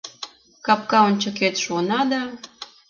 Капка ончыкет шуына да